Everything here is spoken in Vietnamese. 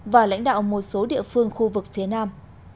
và lãnh đạo một số địa phương khu vực phía nam